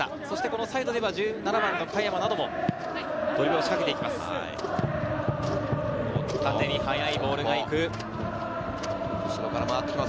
サイドでは１７番の香山なども、ドリブルを仕掛けていきます。